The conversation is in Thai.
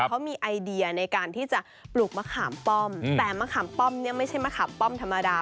เขามีไอเดียในการที่จะปลูกมะขามป้อมแต่มะขามป้อมเนี่ยไม่ใช่มะขามป้อมธรรมดา